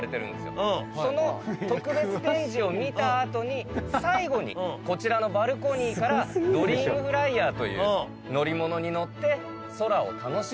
その特別展示を見た後に最後にこちらのバルコニーからドリームフライヤーという乗り物に乗って空を楽しむ。